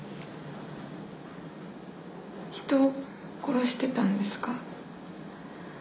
人を殺してたんですか？